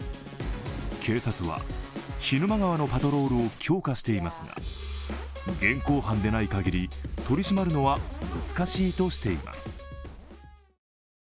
警察は涸沼川のパトロールを強化していますが現行犯でないかぎり、取り締まるのは難しいとしています。